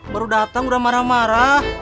baru datang udah marah marah